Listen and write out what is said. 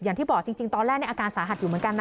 อย่างที่บอกจริงตอนแรกในอาการสาหัสอยู่เหมือนกันนะ